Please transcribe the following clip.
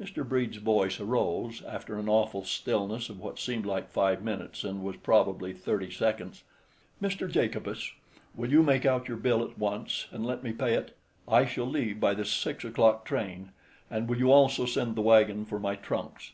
Mr. Brede's voice arose, after an awful stillness of what seemed like five minutes, and was, probably, thirty seconds: "Mr. Jacobus, will you make out your bill at once, and let me pay it? I shall leave by the six o'clock train. And will you also send the wagon for my trunks?"